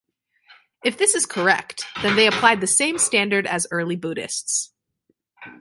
If this is correct, then they applied the same standard as early Buddhists.